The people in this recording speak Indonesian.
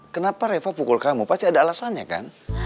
kenapa reva pukul kamu pasti ada alasannya kan